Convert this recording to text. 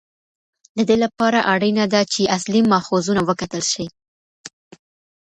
د دې لپاره اړینه ده چې اصلي ماخذونه وکتل شي.